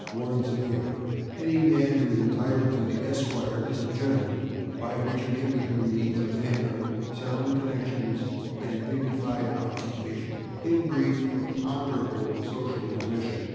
one's neighbor. Any man who is entitled to the /Esq./ is a /gentleman/, by which an Englishman means a man of sound connections and dignified occupation in brief, of ponderable social position.